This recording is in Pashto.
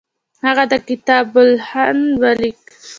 هغه د کتاب الهند ولیکه.